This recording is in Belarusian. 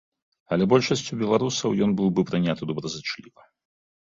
Але большасцю беларусаў ён быў бы прыняты добразычліва.